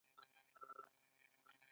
د مرزنجوش پاڼې د اعصابو لپاره وکاروئ